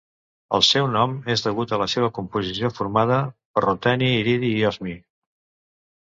El seu nom és degut a la seva composició, formada per ruteni, iridi i osmi.